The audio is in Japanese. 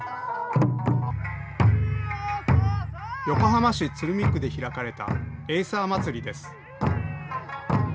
横浜市鶴見区で開かれたエイサー祭りです。